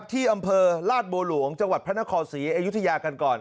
ที่อำเภอราชบัวหลวงจังหวัดพระนครศรีอยุธยากันก่อน